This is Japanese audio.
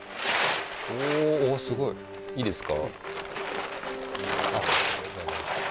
おおーすごいいいですか？